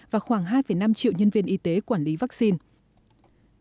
và khoảng hai năm triệu nhân viên y tế quản lý vaccine